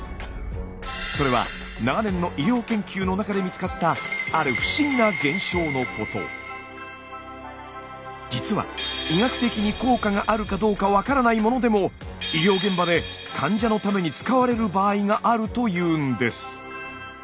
それは長年の医療研究の中で見つかったある実は医学的に効果があるかどうか分からないものでも医療現場で患者のために使われる場合があるというんです。